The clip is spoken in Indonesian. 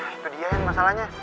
itu dia yang masalahnya